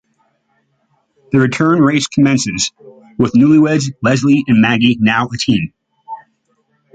The return race commences, with newlyweds Leslie and Maggie now a team.